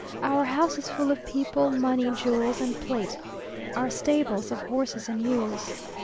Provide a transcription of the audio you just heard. Our house is full of people, money, jewels, and plate our stables of horses and mules.